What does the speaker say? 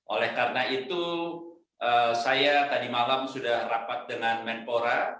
oleh karena itu saya tadi malam sudah rapat dengan menpora